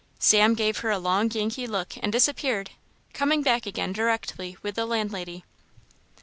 Sam gave her a long Yankee look and disappeared, coming back again directly with the landlady.